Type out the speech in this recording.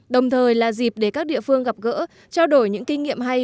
đồng thời là dịp để các địa phương gặp gỡ trao đổi những kinh nghiệm hay